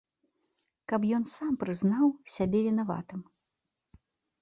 Каб ён сам прызнаў сябе вінаватым.